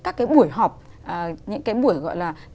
các cái buổi họp những cái buổi gọi là